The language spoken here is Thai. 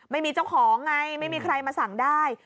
ไม่มีเจ้าของไงไม่มีใครมาสั่งได้